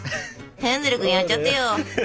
ヘンゼル君やっちゃってよ。